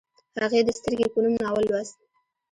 هغې د سترګې په نوم ناول لوست